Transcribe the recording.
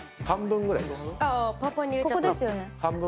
半分ぐらいです。